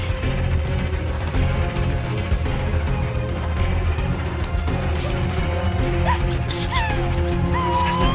kamu kejauhan cepetan kamu kejauhan